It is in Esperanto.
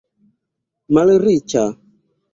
malriĉa